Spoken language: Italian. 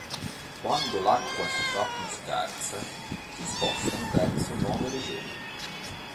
Quando l'acqua si fa più scarsa, si spostano verso nuove regioni.